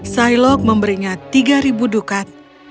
sailok memberinya tiga ribu dukat